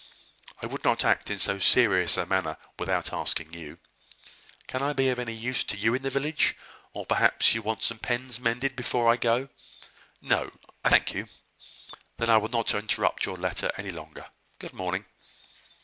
"I would not act in so serious a matter without asking you. Can I be of any use to you in the village? Or perhaps you may want some pens mended before I go?" "No, I thank you." "Then I will not interrupt your letter any longer. Good morning."